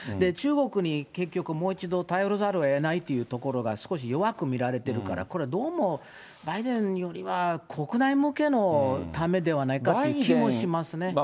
中国に結局、もう一度頼らざるをえないというところが、少し弱く見られてるから、これ、どうも、バイデンよりは、国内向けのためではないかという気もしますね。